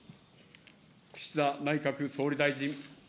岸田内閣総理大臣。